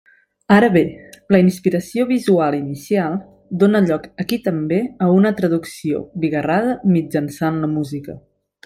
Ara bé, la inspiració visual inicial dóna lloc aquí també a una traducció bigarrada mitjançant la música.